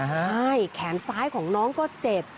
ใช่แขนซ้ายของน้องก็เจ็บ